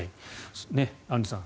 アンジュさん